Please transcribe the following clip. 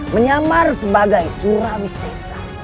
menyamar sebagai surawi sesa